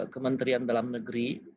kementerian dalam negeri